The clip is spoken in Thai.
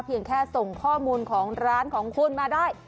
แค่ส่งข้อมูลของร้านของคุณมาได้